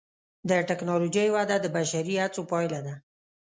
د ټکنالوجۍ وده د بشري هڅو پایله ده.